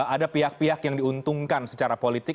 ada pihak pihak yang diuntungkan secara politik